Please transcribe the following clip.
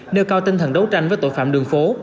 nêu cao tinh thần đấu tranh với tội phạm đường phố